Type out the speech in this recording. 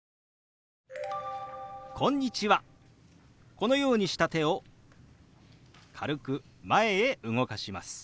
このようにした手を軽く前へ動かします。